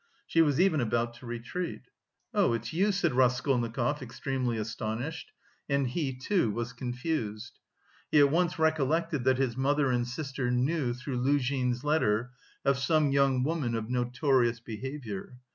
She was even about to retreat. "Oh... it's you!" said Raskolnikov, extremely astonished, and he, too, was confused. He at once recollected that his mother and sister knew through Luzhin's letter of "some young woman of notorious behaviour."